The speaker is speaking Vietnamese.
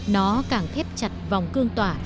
nó càng thép chặt vòng cương tỏa